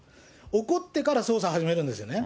起こってから、捜査始めるんですよね。